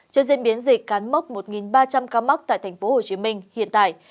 trước diễn biến dịch cán mốc một ba trăm linh ca mắc tại tp hcm hiện tại